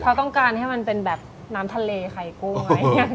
เขาต้องการให้มันเป็นแบบน้ำทะเลไข่กุ้งไหม